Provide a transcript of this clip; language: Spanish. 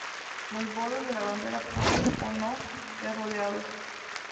Los bordes de la bandera pueden, o no, ser rodeados.